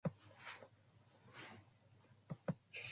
Various versions of English lyrics have appeared online.